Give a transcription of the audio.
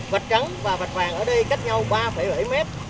vạch trắng và vạch hoàng ở đây cách nhau ba bảy mét